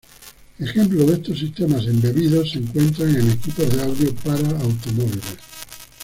Ejemplos de estos sistemas embebidos se encuentran en equipos de audio para automóviles.